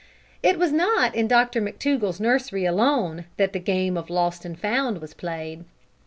It was not in Dr McTougall's nursery alone that the game of Lost and Found was played.